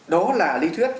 đó là lý thuyết